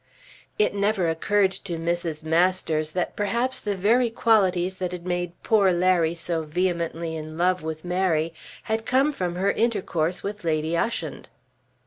It never occurred to Mrs. Masters that perhaps the very qualities that had made poor Larry so vehemently in love with Mary had come from her intercourse with Lady Ushant.